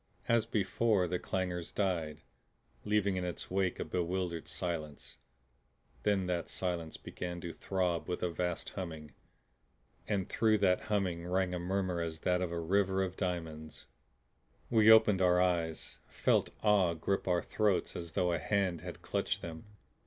As before, the clangor died, leaving in its wake a bewildered silence. Then that silence began to throb with a vast humming, and through that humming rang a murmur as that of a river of diamonds. We opened our eyes, felt awe grip our throats as though a hand had clutched them.